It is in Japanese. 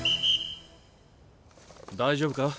大丈夫か？